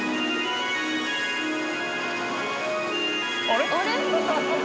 あれ？